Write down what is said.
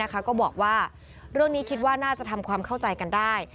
ก็บอกว่าเรื่องนี้คิดว่าน่าจะทำความเข้าใจกันได้